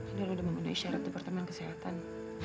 ini sudah memenuhi syarat departemen kesehatan